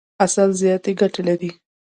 عسل زیاتي ګټي لري.